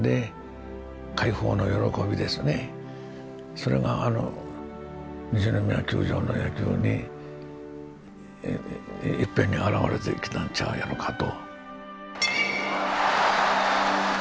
それがあの西宮球場の野球にいっぺんにあらわれてきたんちゃうやろかと。